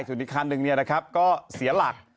สิ่งอีกคันหนึ่งนะครับก็เสียหลัก